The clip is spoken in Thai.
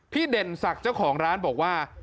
เด่นศักดิ์เจ้าของร้านบอกว่า